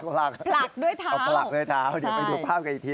ปลักเอาปลักด้วยเท้าเดี๋ยวไปดูภาพกันอีกที